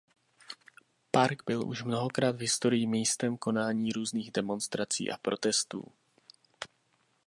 Park byl už mnohokrát v historii místem konání různých demonstrací a protestů.